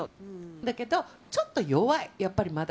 だけど、ちょっと弱い、やっぱりまだ。